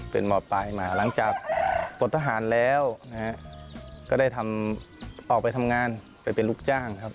เป็นหมอปลายมาหลังจากปลดทหารแล้วก็ได้ทำออกไปทำงานไปเป็นลูกจ้างครับ